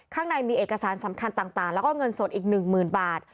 ข้างในมีเอกสารสำคัญต่างแล้วก็เงินสดอีก๑๐๐๐บาท